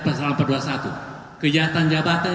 pasal empat ratus dua puluh satu kejahatan jabatan